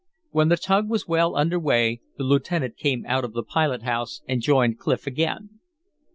When the tug was well under way the lieutenant came out of the pilot house and joined Clif again.